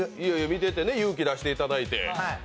見てて、勇気出していただいて。